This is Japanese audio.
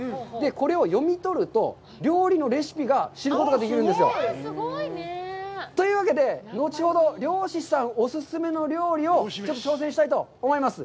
これを読み取ると、料理のレシピが知ることができるんですよ。というわけで、後ほど漁師さんお勧めの料理を挑戦したいと思います。